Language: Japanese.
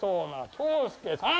「長介さん」？